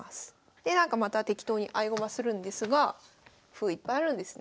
でなんかまた適当に合駒するんですが歩いっぱいあるんですね。